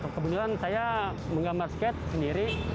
kebetulan saya menggambar skate sendiri